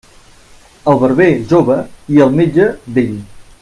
El barber, jove, i el metge, vell.